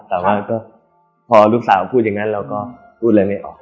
แต่ว่าก็พอลูกสาวพูดอย่างนั้นเราก็พูดอะไรไม่ออก